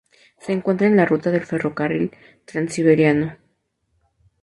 Se encuentra en la ruta del ferrocarril Transiberiano.